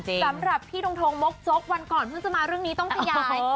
สำหรับพี่ทงทงมกจกวันก่อนเพิ่งจะมาเรื่องนี้ต้องขยาย